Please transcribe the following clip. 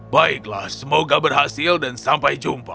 baiklah semoga berhasil dan sampai jumpa